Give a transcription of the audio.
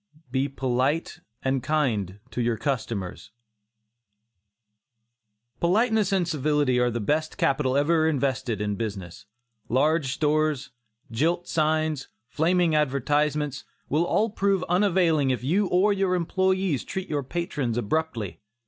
BE POLITE AND KIND TO YOUR CUSTOMERS. Politeness and civility are the best capital ever invested in business. Large stores, gilt signs, flaming advertisements, will all prove unavailing if you or your employees treat your patrons abruptly.